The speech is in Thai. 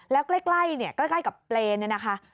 แล้วก็ใกล้กับเปรย์นี่นะคะ